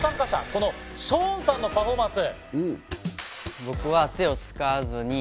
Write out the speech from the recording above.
このショーンさんのパフォーマンス。